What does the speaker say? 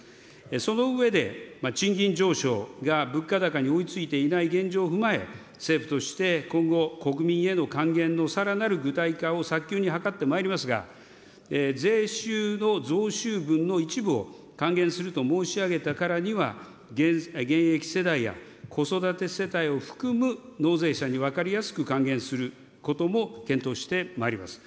その上で、賃金上昇が物価高に追いついていない現状を踏まえ、政府として今後、国民への還元のさらなる具体化を早急に図ってまいりますが、税収の増収分の一部を還元すると申し上げたからには、現役世代や子育て世帯を含む納税者に分かりやすく還元することも検討してまいります。